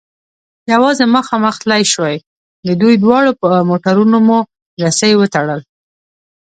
یوازې مخامخ تلای شوای، د دوی دواړو پر موټرو مو رسۍ و تړل.